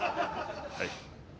はい。